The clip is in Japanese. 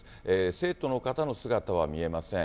生徒の方の姿は見えません。